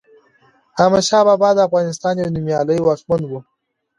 احمد شاه بابا دافغانستان يو نوميالي واکمن وه